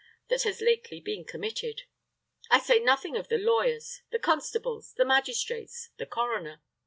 that has lately been committed. I say nothing of the lawyers, the constables, the magistrates, the coroner.